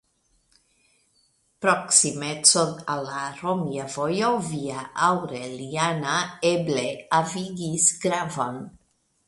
Proksimeco al la romia vojo Via Aureliana eble havigis gravon.